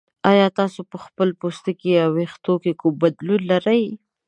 ایا تاسو په خپل پوستکي یا ویښتو کې کوم بدلون لرئ؟